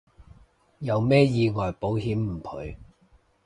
有咩意外保險唔賠